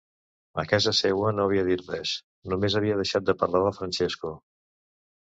A casa seua no havia dit res, només havia deixat de parlar del Francesco...